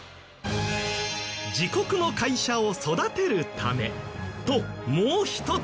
自国の会社を育てるためともう一つ。